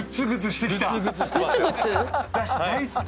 大好き！